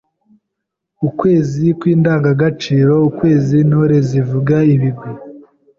Ukwezi kw’Indangagaciro: Ukwezi Intore zivuga ibigwi